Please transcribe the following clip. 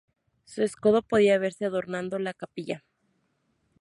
Su escudo podía verse adornando la capilla.